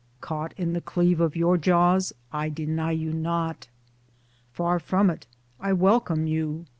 caught in the cleave of your jaws, I deny you not. Far from it : I welcome you.